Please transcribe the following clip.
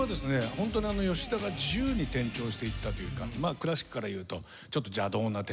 ホントに吉田が自由に転調していったというかクラシックからいうとちょっと邪道な転調なんですけども。